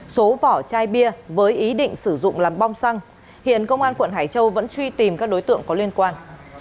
số vỏ chai bia với ý định sử dụng làm bong xăng hiện công an quận hải châu vẫn truy tìm các đối tượng có liên quan